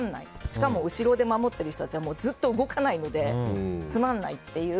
しかも後ろで守っている人たちはずっと動かないのでつまらないっていう。